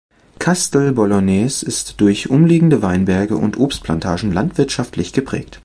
Castel Bolognese ist durch umliegende Weinberge und Obstplantagen landwirtschaftlich geprägt.